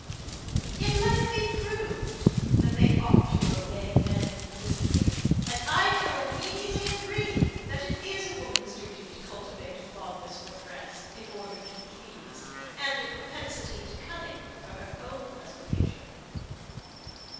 Yet let it be proved, that they ought to obey man implicitly, and I shall immediately agree that it is woman's duty to cultivate a fondness for dress, in order to please, and a propensity to cunning for her own preservation.